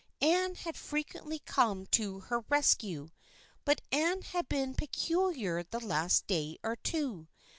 Anne had frequently come to her rescue, but Anne had been peculiar the last day or two.